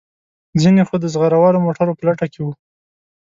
ځینې خو د زغره والو موټرو په لټه کې وو.